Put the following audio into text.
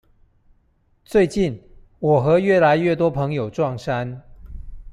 最近，我和越來越多朋友撞衫